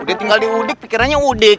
udah tinggal di udik pikirannya udik